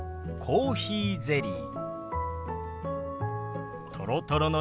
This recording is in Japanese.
「コーヒーゼリー」。